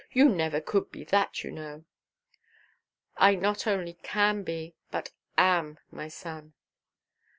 You never could be that, you know." "I not only can be, but am, my son."